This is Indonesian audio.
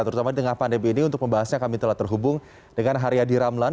terutama di tengah pandemi ini untuk membahasnya kami telah terhubung dengan haryadi ramlan